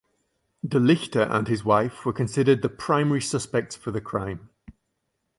De Lichte and his wife were considered the primary suspects for the crime.